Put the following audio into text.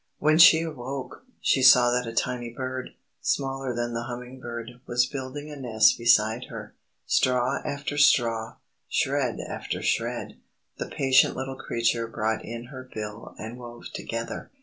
When she awoke, she saw that a tiny bird, smaller than the hummingbird, was building a nest beside her. Straw after straw, shred after shred, the patient little creature brought in her bill and wove together.